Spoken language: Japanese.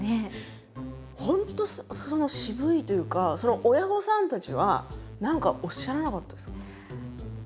本当その渋いというか親御さんたちは何かおっしゃらなかったですか？